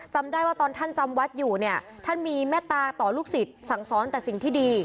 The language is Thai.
จำได้ว่าตอนท่านจำวัดอยู่เนี่ยท่านมีเมตตาต่อลูกศิษย์สั่งสอนแต่สิ่งที่ดี